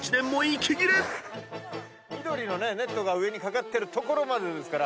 緑のネットが上に掛かってる所までですから。